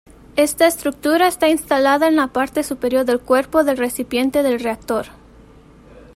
Esta estructura está instalada en la parte superior del cuerpo del recipiente del reactor.